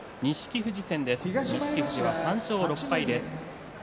富士は３勝６敗です。